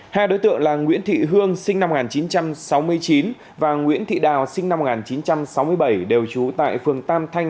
hai đối tượng là nguyễn thị hương sinh năm một nghìn chín trăm sáu mươi chín và nguyễn thị đào sinh năm một nghìn chín trăm sáu mươi bảy đều trú tại phường tam thanh